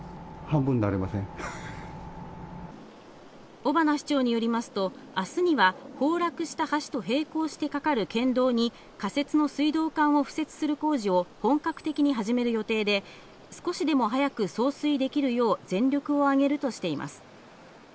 尾花市長によりますと、明日には崩落した橋と並行してかかる県道に仮設の水道管を敷設する工事を本格的に始める予定で少しでも早く送水できるよう全力を挙げるとしています。